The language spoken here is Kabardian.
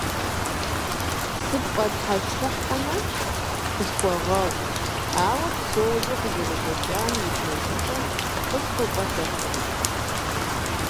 СыпфӀэтхьэщыхьэмэ, къысхуэгъэгъу, ауэ псори къызэрекӀуэкӀам и пэжыпӀэр къысхуэпӀуэтэфын?